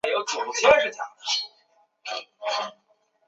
对我而言都有既定的目标